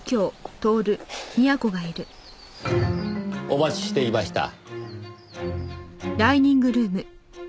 お待ちしていました。